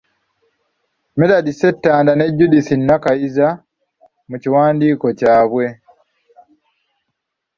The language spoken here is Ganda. Medadi Ssentanda ne Judith Nakayiza mu kiwandiiko kyabwe.